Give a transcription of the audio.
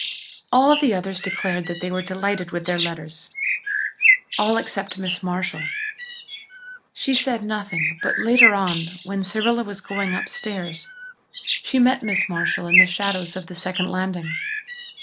All the others declared that they were delighted with their letters all except Miss Marshall. She said nothing but later on, when Cyrilla was going upstairs, she met Miss Marshall in the shadows of the second landing.